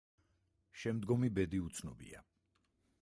შემდგომი ბედი უცნობია.